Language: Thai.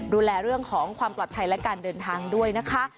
ดูแลเรื่องของความปลอดภัยและการเดินทางด้วยนะคะ